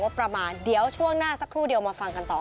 ประมาณเดี๋ยวช่วงหน้าสักครู่เดียวมาฟังกันต่อ